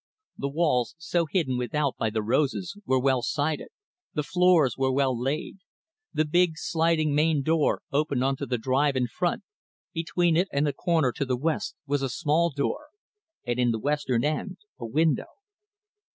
The walls, so hidden without by the roses, were well sided; the floors were well laid. The big, sliding, main door opened on the drive in front; between it and the corner, to the west, was a small door; and in the western end, a window.